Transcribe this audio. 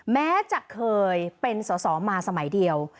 แม้จะเคยเป็นสอสอมาสมัยเดียว